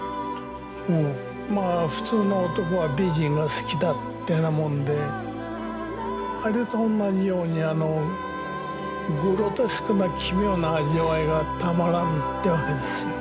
うんまあ普通の男は美人が好きだってなもんであれとおんなじようにあのグロテスクな奇妙な味わいがたまらんってわけですよ。